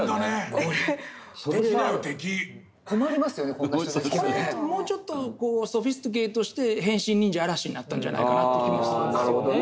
これもうちょっとソフィスティケートして「変身忍者嵐」になったんじゃないかなって気もするんですよね。